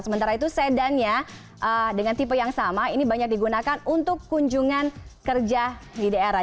sementara itu sedannya dengan tipe yang sama ini banyak digunakan untuk kunjungan kerja di daerah